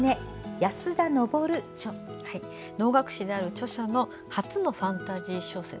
能楽師である著者の初のファンタジー小説。